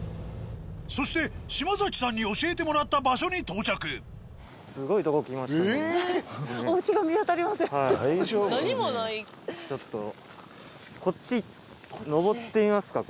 そして嶋崎さんに教えてもらった場所に到着ちょっとこっち上ってみますかこれ。